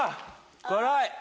辛い！